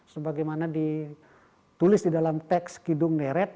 sebagaimana ditulis di dalam teks kidung deret